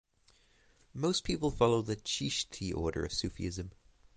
Most people follow the Chishti order of Sufism.